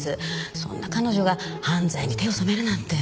そんな彼女が犯罪に手を染めるなんて。